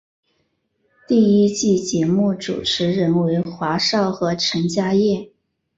第一季节目主持人为华少和陈嘉桦。